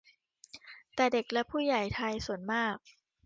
แต่เด็กและผู้ใหญ่ไทยส่วนมาก